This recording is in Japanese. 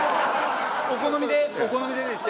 お好みでお好みでいいです。